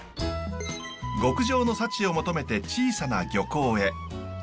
極上の幸を求めて小さな漁港へ。